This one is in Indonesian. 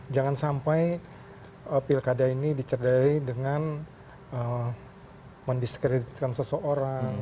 jangan sampai pilkada ini dicerdai dengan mendiskreditkan seseorang